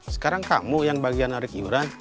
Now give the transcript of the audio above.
sekarang kamu yang bagian narik iuran